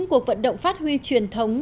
cuộc vận động phát huy truyền thống